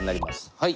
はい。